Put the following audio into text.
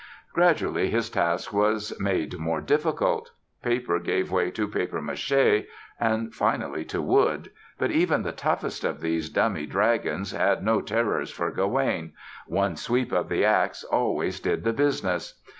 Gradually his task was made more difficult. Paper gave way to papier mâché and finally to wood, but even the toughest of these dummy dragons had no terrors for Gawaine. One sweep of the ax always did the business.